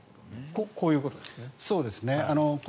こういうことですね。